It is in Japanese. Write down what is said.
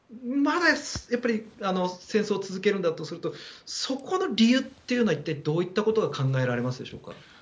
まだやっぱり戦争を続けるんだとするとそこの理由というのは一体どういったことが考えられますでしょうか。